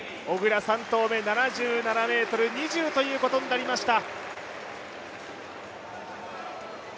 小椋、３投目、７７ｍ２０ということになりました。